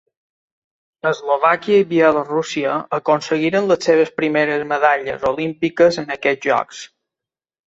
Eslovàquia i Bielorússia aconseguiren les seves primeres medalles olímpiques en aquests Jocs.